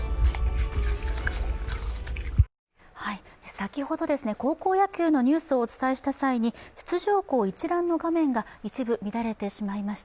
先ほど高校野球のニュースをお伝えした際に出場校一覧の画面が一部乱れてしまいました。